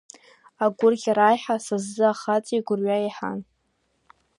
Агәырӷьара аиҳа, са сзы ахаҵа игәырҩа еиҳан.